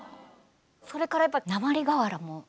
それからやっぱ鉛瓦。